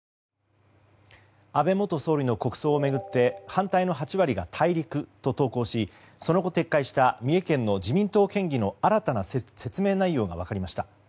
安倍元総理の国葬を巡って反対の８割が大陸と投稿しその後、撤回した三重県の自民党県議の新たな説明内容が分かりました。